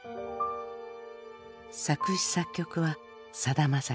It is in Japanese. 作詞作曲はさだまさし。